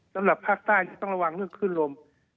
สำหรับภาคใต้จะต้องระวังเรื่องขึ้นลม